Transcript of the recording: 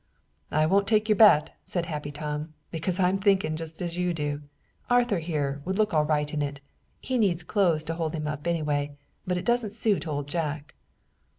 "I won't take your bet," said Happy Tom, "because I'm thinking just as you do. Arthur, here, would look all right in it he needs clothes to hold him up, anyway, but it doesn't suit Old Jack."